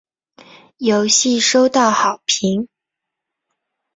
游戏收到好评。